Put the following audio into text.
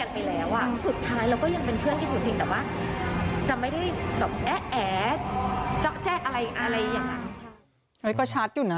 เห็นเพราะว่ามันกลายเป็นเพื่อนกันไปแล้ว